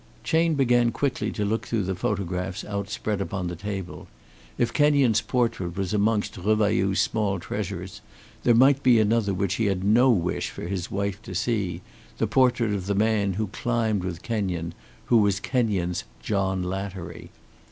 Chayne began quickly to look through the photographs outspread upon the table. If Kenyon's portrait was amongst Revailloud's small treasures, there might be another which he had no wish for his wife to see, the portrait of the man who climbed with Kenyon, who was Kenyon's "John Lattery."